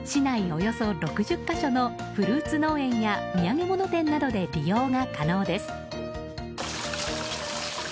およそ６０か所のフルーツ農園や土産物店などで利用が可能です。